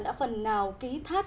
đã phần nào ký thát